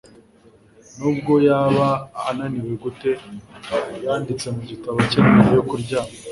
Nubwo yaba ananiwe gute yanditse mu gitabo cye mbere yo kuryama